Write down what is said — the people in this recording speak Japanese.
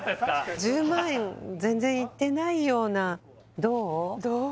１０万円全然いってないようなどう？